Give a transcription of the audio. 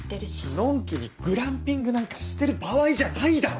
のんきにグランピングなんかしてる場合じゃないだろ！